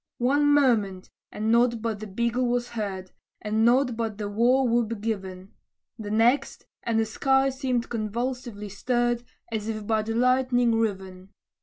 One moment, and nought but the bugle was heard, And nought but the war whoop given; The next, and the sky seemed convulsively stirred, As if by the lightning riven.